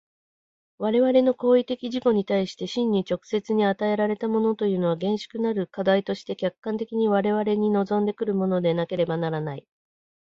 我々の行為的自己に対して真に直接に与えられたものというのは、厳粛なる課題として客観的に我々に臨んで来るものでなければならない。